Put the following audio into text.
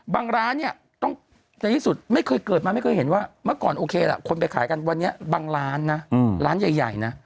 ร้านเนี่ยต้องในที่สุดไม่เคยเกิดมาไม่เคยเห็นว่าเมื่อก่อนโอเคล่ะคนไปขายกันวันนี้บางร้านนะร้านใหญ่นะ